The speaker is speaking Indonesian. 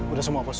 udah semua pos